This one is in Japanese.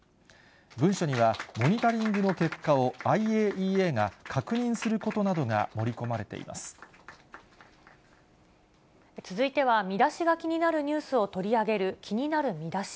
文書には、モニタリングの結果をＩＡＥＡが確認することなどが盛り込まれて続いては、ミダシが気になるニュースを取り上げる気になるミダシ。